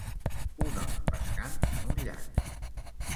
Un home pescant en un llac.